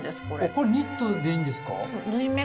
これニットでいいんですか？